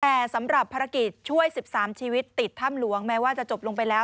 แต่สำหรับภารกิจช่วย๑๓ชีวิตติดถ้ำหลวงแม้ว่าจะจบลงไปแล้ว